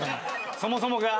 そもそもが。